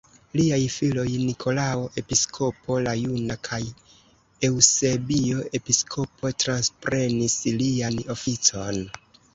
Liaj filoj Nikolao Episkopo la Juna kaj Eŭsebio Episkopo transprenis lian oficon.